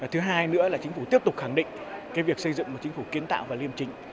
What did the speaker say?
thứ hai nữa là chính phủ tiếp tục khẳng định việc xây dựng một chính phủ kiến tạo và liêm chính